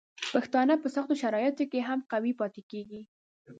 پښتانه په سختو شرایطو کې هم قوي پاتې کیږي.